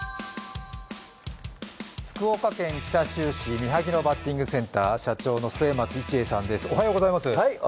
福岡県北九州市三萩野バッティングセンター社長の末松一英さんです。